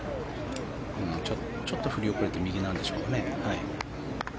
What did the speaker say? ちょっと振り遅れて右なんでしょうかね。